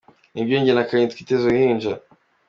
"Ni byo jye na Kanye twiteze uruhinja.